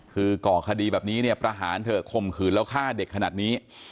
คือก่อคดีแบบนี้เนี่ยประหารเถอะข่มขืนแล้วฆ่าเด็กขนาดนี้